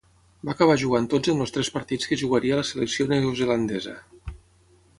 Va acabar jugant tots en els tres partits que jugaria la selecció neozelandesa.